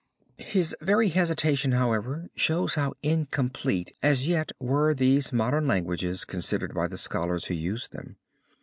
His very hesitation, however, shows how incomplete as yet were these modern languages considered by the scholars who used them.